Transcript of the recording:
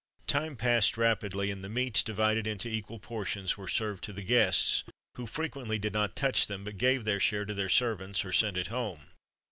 Time passed rapidly, and the meats, divided into equal portions, were served to the guests, who frequently did not touch them, but gave their share to their servants, or sent it home.